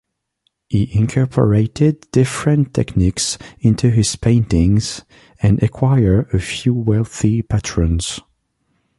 He incorporated different techniques into his paintings, and acquired a few wealthy patrons.